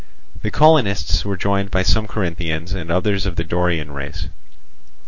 The colonists were joined by some Corinthians, and others of the Dorian race.